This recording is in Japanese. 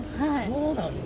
そうなんだ。